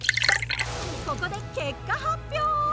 ここで結果発表！